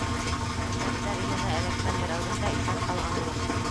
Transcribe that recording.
«Йөнтәҫтәр иле»нә эләккән берәүҙең дә иҫән ҡалғаны юҡ.